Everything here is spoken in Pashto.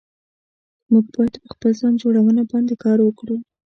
موږ بايد پر خپل ځان جوړونه باندي کار وکړو